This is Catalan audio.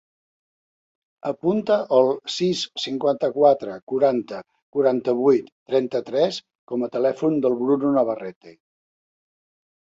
Apunta el sis, cinquanta-quatre, quaranta, quaranta-vuit, trenta-tres com a telèfon del Bruno Navarrete.